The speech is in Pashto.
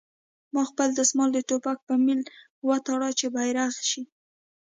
ما خپل دسمال د ټوپک په میل وتاړه چې بیرغ شي